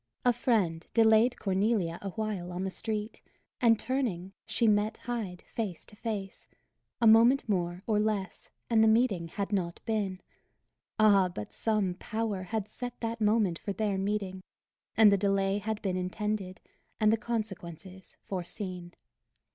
A friend delayed Cornelia a while on the street; and turning, she met Hyde face to face; a moment more, or less, and the meeting had not been. Ah, but some Power had set that moment for their meeting, and the delay had been intended, and the consequences foreseen!